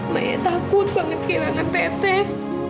saya sangat takut kehilangan teteh